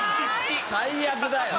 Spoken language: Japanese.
最悪だよ！